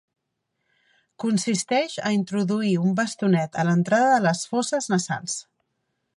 Consisteix a introduir un bastonet a l'entrada de les fosses nasals.